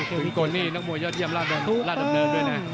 พี่กลนี่นักมวยยอดเยี่ยมราชดำเนินด้วยนะ